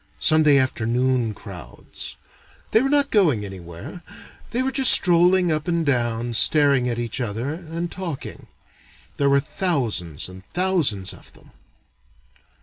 Sunday afternoon crowds. They were not going anywhere, they were just strolling up and down, staring at each other, and talking. There were thousands and thousands of them.